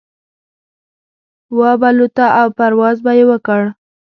وابه لوته او پرواز به يې وکړ.